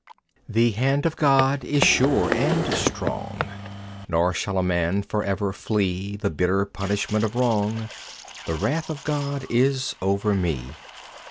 II The hand of God is sure and strong, Nor shall a man forever flee The bitter punishment of wrong. The wrath of God is over me!